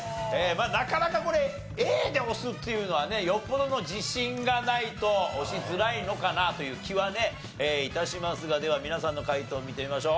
なかなかこれＡで押すっていうのはねよっぽどの自信がないと押しづらいのかなという気はね致しますがでは皆さんの解答見てみましょう。